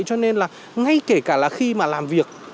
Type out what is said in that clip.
cho nên là ngay kể cả là khi mà làm việc